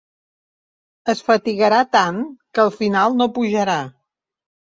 Es fatigarà tant que al final no pujarà.